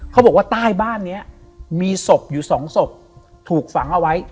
เขาบอกว่าใต้บ้านนี้มีศพอยู่สองศพถูกฝังเอาไว้